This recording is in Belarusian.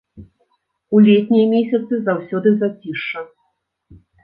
У летнія месяцы заўсёды зацішша.